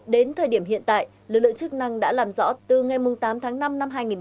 đến thời điểm hiện tại lực lượng chức năng đã làm rõ từ ngày tám tháng năm năm hai nghìn một mươi chín